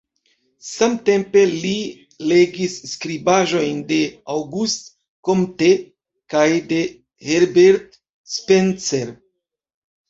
Samtempe li legis skribaĵojn de Auguste Comte kaj de Herbert Spencer.